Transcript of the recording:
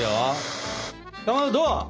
かまどどう？